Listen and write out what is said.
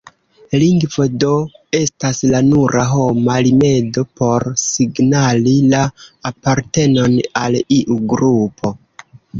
Lingvo do estas la nura homa rimedo por signali la apartenon al iu grupo.